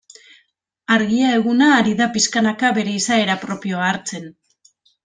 Argia eguna ari da pixkanaka bere izaera propioa hartzen.